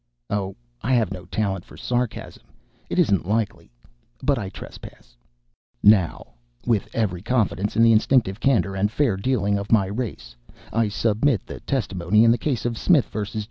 (Oh, I have no talent for sarcasm, it isn't likely.) But I trespass. Now, with every confidence in the instinctive candor and fair dealing of my race, I submit the testimony in the case of Smith vs.